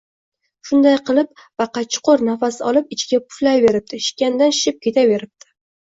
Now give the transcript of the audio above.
Shunday qilib Baqa chuqur nafas olib, ichiga puflayveribdi, shishgandan shishib ketaveribdi